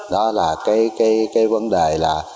đó là cái vấn đề là